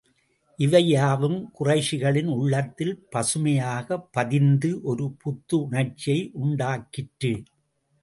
இவை யாவும் குறைஷிகளின் உள்ளத்தில் பசுமையாகப் பதிந்து, ஒரு புத்துணர்ச்சியை உண்டாக்கிற்று.